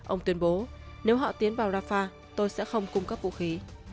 ông tuyên bố nếu họ tiến vào rafah tôi sẽ không cung cấp vũ khí